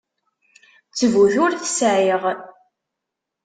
Ttbut ur t-sεiɣ.